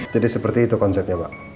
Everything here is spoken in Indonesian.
jadi seperti itu konsepnya pak